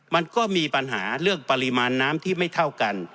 มันก็มีปัญหาเรื่องปริมาณน้ำที่ไม่เท่ากัน